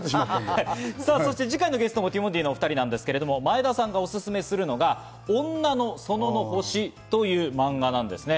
次回のゲストもティモンディのお２人ですけれども、前田さんがおすすめするのが『女の園の星』というマンガなんですね。